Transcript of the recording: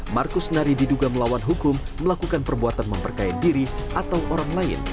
markus nari diduga melawan hukum melakukan perbuatan memperkaya diri atau orang lain